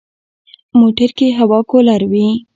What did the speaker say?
موټر کې هوا کولر وي.